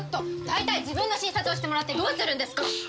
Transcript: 大体自分の診察をしてもらってどうするんですか！